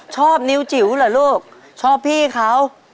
ชอบนิ้วจิ๋วเหรอลูกชอบพี่เขา